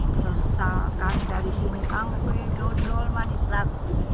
misalkan dari sini angkwe dodol manisat